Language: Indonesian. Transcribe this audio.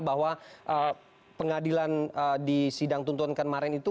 bahwa pengadilan di sidang tuntuan kemarin itu